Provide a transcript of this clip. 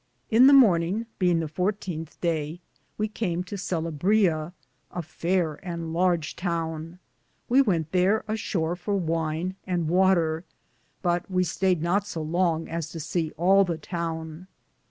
In the morninge, beinge the 14th Day, we came to Selabrea,^ a faire and large towne. We wente thare a shore for wyne and water, but we stayed not so longe as to se all the towne.